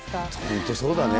本当そうだね。